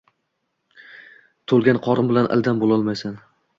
Toʻlgan qorin bilan ildam boʻlolmaysan